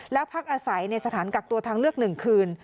แล้วพักอาศัยในสถานกักตัวทางเลือก๑คืน